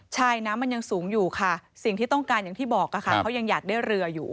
ใช่น้ำมันยังสูงอยู่ค่ะสิ่งที่ต้องการอย่างที่บอกค่ะเขายังอยากได้เรืออยู่